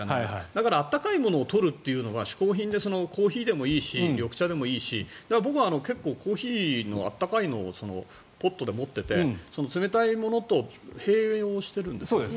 だから温かいものを取るのは嗜好品で、コーヒーでもいいし緑茶でもいいし僕は結構、コーヒーの温かいのをポットで持っていて冷たいものと併用してるんです。